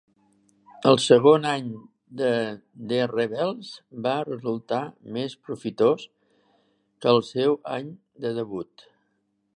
El segon any de The Rebels va resultar més profitós que el seu any de debut.